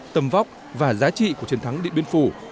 tầm vóc và giá trị của chiến thắng điện biên phủ